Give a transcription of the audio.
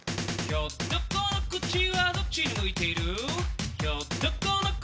ひょっとこの口はどっちに向いている？